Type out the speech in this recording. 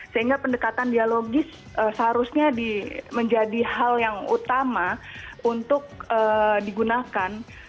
sehingga pendekatan dialogis seharusnya menjadi hal yang utama untuk digunakan